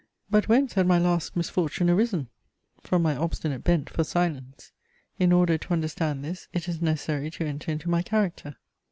But whence had my last misfortune arisen? From my obstinate bent for silence. In order to understand this it is necessary to enter into my character.